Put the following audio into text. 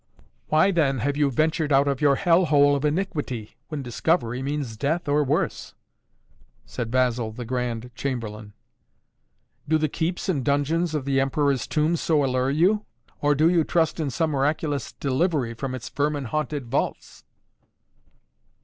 "Why then have you ventured out of your hell hole of iniquity, when discovery means death or worse?" said Basil, the Grand Chamberlain. "Do the keeps and dungeons of the Emperor's Tomb so allure you? Or do you trust in some miraculous delivery from its vermin haunted vaults?"